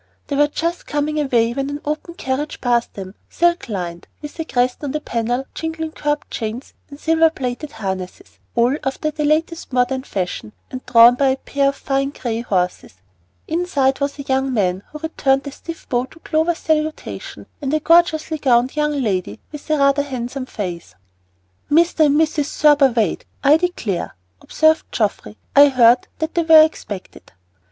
They were just coming away when an open carriage passed them, silk lined, with a crest on the panel, jingling curb chains, and silver plated harnesses, all after the latest modern fashion, and drawn by a pair of fine gray horses. Inside was a young man, who returned a stiff bow to Clover's salutation, and a gorgeously gowned young lady with rather a handsome face. "Mr. and Mrs. Thurber Wade, I declare," observed Geoffrey. "I heard that they were expected."